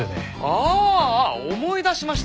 あーあー思い出しました。